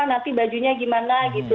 nanti bajunya gimana gitu